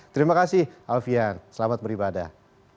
terima kasih alfian selamat beribadah